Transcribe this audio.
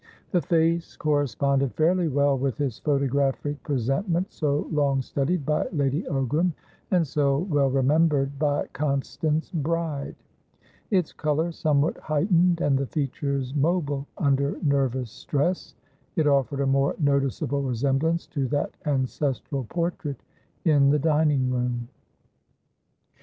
The face corresponded fairly well with its photographic presentment so long studied by Lady Ogram, and so well remembered by Constance Bride; its colour somewhat heightened and the features mobile under nervous stress, it offered a more noticeable resemblance to that ancestral portrait in the dining room.